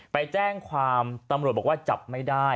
ไปแจ้งความตำรวจบอกว่าจับไม่ได้